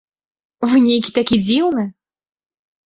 Вы нейкі такі дзіўны!